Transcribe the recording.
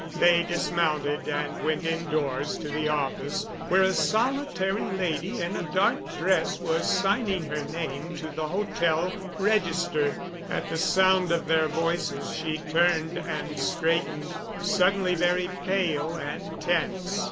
They dismounted and went indoors to the office, where a solitary lady in a dark dress was signing her name to the hotel register. At the sound of their voices she turned and straightened, suddenly very pale and tense.